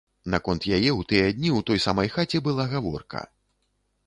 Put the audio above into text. Наконт яе ў тыя дні ў той самай хаце была гаворка.